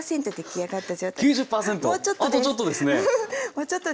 あとちょっとですね。